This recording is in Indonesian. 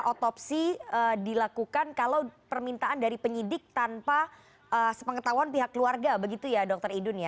otopsi dilakukan kalau permintaan dari penyidik tanpa sepengetahuan pihak keluarga begitu ya dokter idun ya